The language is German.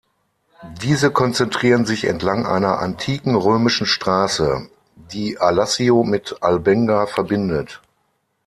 Diese konzentrieren sich entlang einer antiken römischen Straße, die Alassio mit Albenga verbindet.